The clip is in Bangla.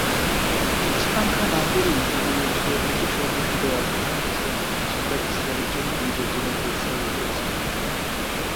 উচ্চাকাঙ্ক্ষা না করেই তিনি সেই ব্রিটিশ অধ্যুষিত অজ্ঞ সমাজে শিক্ষা বিস্তারের জন্য নিজের জীবনকে উৎসর্গ করেছিলেন।